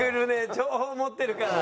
情報持ってるから。